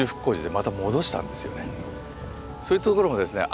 そういうところもですね